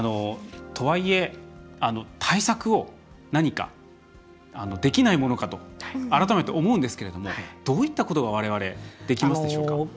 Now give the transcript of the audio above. とはいえ、対策を何かできないものかと改めて思うんですけれどもどういったことがわれわれ、できますでしょうか？